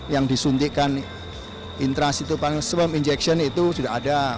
yang disuntikan intrasitu panas sperm injection itu sudah ada